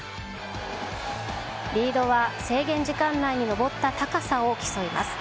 リードは制限時間内に登った高さを競います。